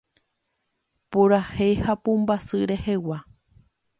Purahéi ha pumbasy rehegua